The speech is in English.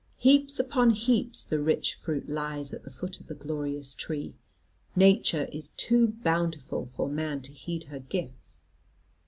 Heaps upon heaps the rich fruit lies at the foot of the glorious tree; nature is too bountiful for man to heed her gifts.